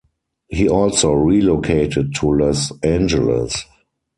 He also relocated to Los Angeles.